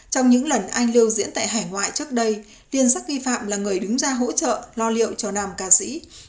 trong những lần anh lưu diễn tại hải ngoại trước đây liên sắc kỳ phạm là người đứng ra hỗ trợ lo liệu cho nàm ca sĩ